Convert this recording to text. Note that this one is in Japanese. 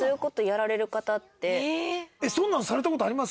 そんなのされた事あります？